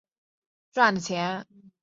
家庭成员赚的钱